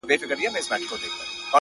هغه مه ښوروه ژوند راڅخـه اخلي ـ